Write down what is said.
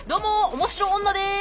面白女です！」。